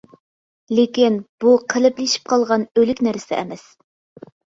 لېكىن، بۇ قېلىپلىشىپ قالغان ئۆلۈك نەرسە ئەمەس.